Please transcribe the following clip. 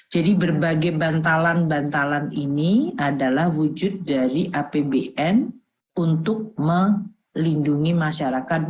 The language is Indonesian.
jadi berbagai bantalan bantalan ini adalah wujud dari apbn untuk melindungi masyarakat